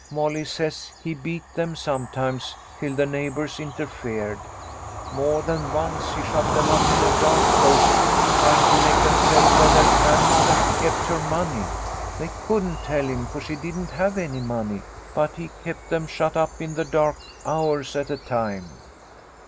Molly says he beat them sometimes till the neighbours interfered. More than once he shut them up in a dark closet, trying to make them tell where their grandmother kept her money. They couldn't tell him, for she didn't have any money, but he kept them shut up in the dark, hours at a time.